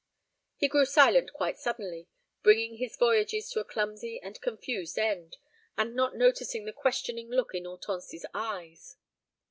He grew silent quite suddenly, bringing his voyages to a clumsy and confused end, and not noticing the questioning look in Hortense's eyes.